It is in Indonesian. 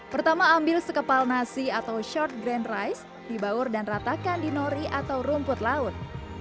pertama ambil sekepal nasi atau short grand rice dibaur dan ratakan di nori atau rumput laut